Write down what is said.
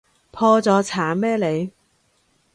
破咗產咩你？